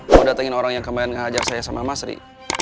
mau datengin orang yang kemarin ngehajar saya sama masri